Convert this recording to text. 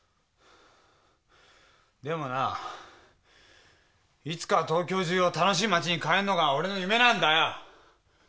でもないつかは東京中を楽しい街に変えんのが俺の夢なんだよ。